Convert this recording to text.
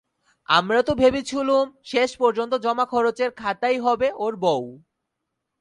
আমরা তো ভেবেছিলুম শেষ পর্যন্ত জমাখরচের খাতাই হবে ওর বউ।